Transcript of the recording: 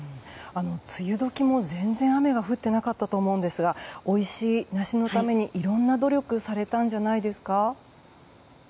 梅雨時も全然、雨が降っていなかったと思うんですがおいしい梨のためにいろんな努力されたんじゃないですか？